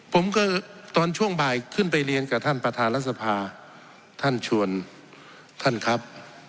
ผมก็ตอนช่วงบ่ายขึ้นไปเรียนกับท่านประธานรัฐสภาท่านชวนท่านครับ